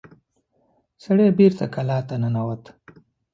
سړی بېرته کلا ته ننوت.